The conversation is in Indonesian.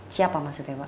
siapa maksudnya pak